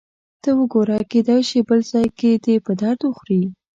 ته وګوره، کېدای شي بل ځای کې دې په درد وخوري.